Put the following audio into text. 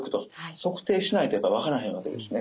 測定しないとやっぱ分からへんわけですね。